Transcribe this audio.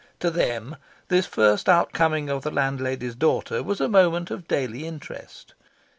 To them, this first outcoming of the landlady's daughter was a moment of daily interest.